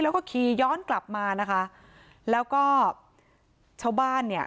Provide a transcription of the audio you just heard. แล้วก็ขี่ย้อนกลับมานะคะแล้วก็ชาวบ้านเนี่ย